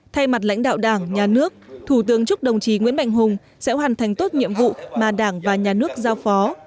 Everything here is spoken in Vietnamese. thay mặt lãnh đạo đảng nhà nước thủ tướng chúc đồng chí nguyễn mạnh hùng sẽ hoàn thành tốt nhiệm vụ mà đảng và nhà nước giao phó